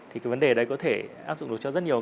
thì cái vấn đề đấy có thể áp dụng được cho rất nhiều